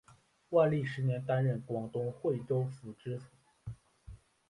万历十年担任广东惠州府知府。